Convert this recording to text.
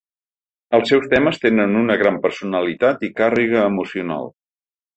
Els seus temes tenen una gran personalitat i càrrega emocional.